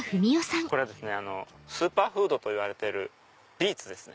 スーパーフードと言われているビーツですね。